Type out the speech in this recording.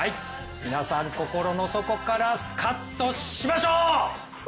皆さん、心の底からスカッとしましょう！